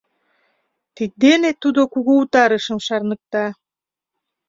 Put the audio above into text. Тиддене тудо кугу Утарышым шарныкта.